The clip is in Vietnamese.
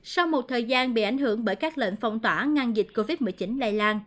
sau một thời gian bị ảnh hưởng bởi các lệnh phong tỏa ngăn dịch covid một mươi chín lây lan